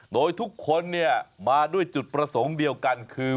โดยทุกคนมาด้วยจุดประสงค์เดียวกันคือ